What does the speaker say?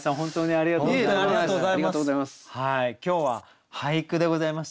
ありがとうございます。